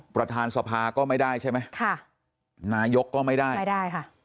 ประธานสภาก็ไม่ได้ใช่ไหมค่ะนายกก็ไม่ได้ไม่ได้ค่ะ